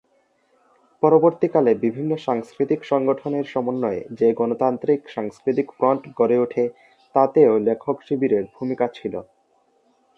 পরবর্তীকালে, বিভিন্ন সাংস্কৃতিক সংগঠনের সমন্বয়ে যে "গণতান্ত্রিক সাংস্কৃতিক ফ্রন্ট" গড়ে ওঠে, তাতেও লেখক শিবিরের ভূমিকা ছিল।